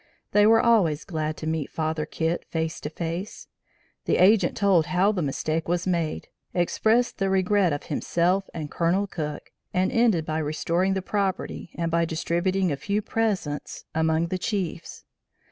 They were always glad to meet Father Kit face to face. The agent told how the mistake was made, expressed the regret of himself and Colonel Cook and ended by restoring the property and by distributing a few presents among the chiefs.